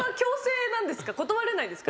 断れないですか？